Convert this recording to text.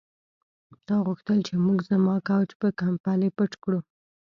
تا غوښتل چې موږ زما کوچ په کمپلې پټ کړو